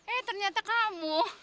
eh ternyata kamu